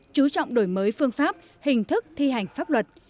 chú trọng đổi mới phương pháp hình thức thi hành pháp luật